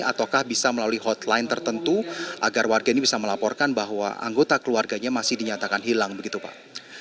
ataukah bisa melalui hotline tertentu agar warga ini bisa melaporkan bahwa anggota keluarganya masih dinyatakan hilang begitu pak